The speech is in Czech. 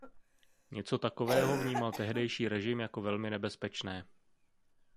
Něco takového vnímal tehdejší režim jako velmi nebezpečné.